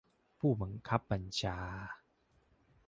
ผู้บังคับบัญชา